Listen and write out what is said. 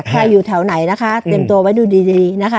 อยู่แถวไหนนะคะเตรียมตัวไว้ดูดีนะคะ